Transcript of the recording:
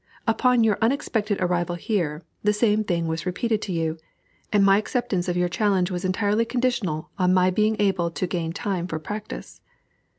Upon your unexpected arrival here, the same thing was repeated to you, and my acceptance of your challenge was entirely conditional on my being able to gain time for practice.